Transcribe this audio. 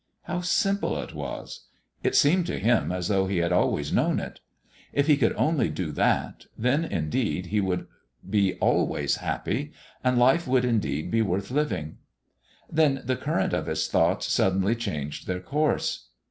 How simple it was. It seemed to him as though he had always known it. If he could only do that, then, indeed, he would be always happy, and life would, indeed, be worth living. Then the current of his thoughts suddenly changed their course.